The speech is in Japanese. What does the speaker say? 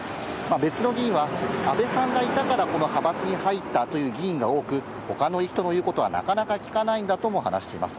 別の議員は、安倍さんがいたからこの派閥に入ったという議員が多く、ほかの人の言うことはなかなか聞かないんだとも話しています。